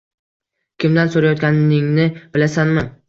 Kimdan so`rayotganingni bilasanmi